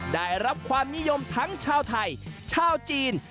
ได้รับความนิยมทั้งชาวไทยชาวจีน